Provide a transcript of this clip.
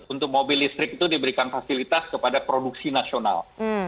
untuk mobil listrik itu diberikan fasilitas kepada produksi nasional